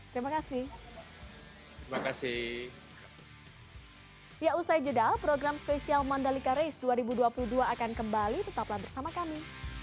terima kasih ya usai jeda program spesial mandalika race dua ribu dua puluh dua akan kembali tetaplah bersama kami